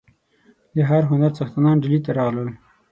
د هر هنر څښتنان ډهلي ته راغلل.